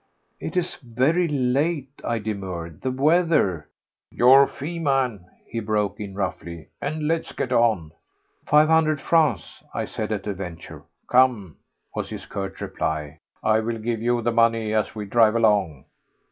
"It is very late," I demurred, "the weather—" "Your fee, man!" he broke in roughly, "and let's get on!" "Five hundred francs," I said at a venture. "Come!" was his curt reply. "I will give you the money as we drive along."